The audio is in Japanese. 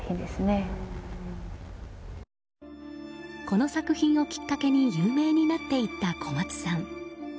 この作品をきっかけに有名になっていった小松さん。